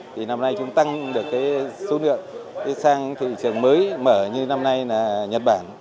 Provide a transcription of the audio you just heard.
thì năm nay chúng tăng được cái số lượng sang thị trường mới mở như năm nay là nhật bản